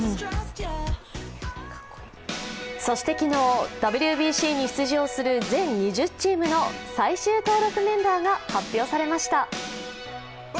そして昨日、ＷＢＣに出場する全２０チームの最終登録メンバーが発表されました。